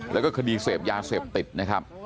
แล้วก็คดีเสพยาเสพติดนะครับ